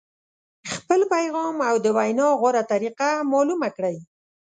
خپل پیغام او د وینا غوره طریقه معلومه کړئ.